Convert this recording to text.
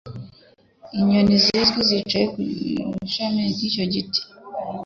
Inyoni zimwe zicaye ku ishami ryicyo giti.